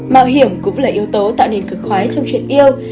mạo hiểm cũng là yếu tố tạo nên cực khói trong chuyện yêu